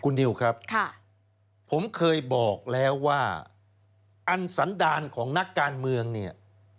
คุณนิวครับผมเคยบอกแล้วว่าอันสันดาลของนักการเมืองเนี่ย